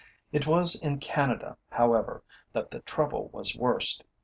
It was in Canada, however, that the trouble was worst.